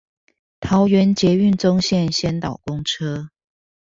桃園捷運棕線先導公車